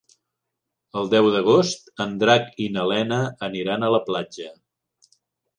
El deu d'agost en Drac i na Lena aniran a la platja.